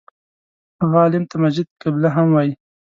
هغه عالم ته مسجد قبله هم وایي.